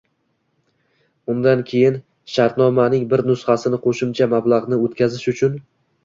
Undan keyin, shartnomaning bir nusxasini qo‘shimcha mablag‘ni o‘tkazish uchun